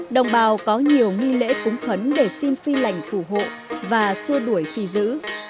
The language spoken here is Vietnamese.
đồng bào có nhiều nghi lễ cúng khấn để xin phi lành phù hộ và xua đuổi phi dữ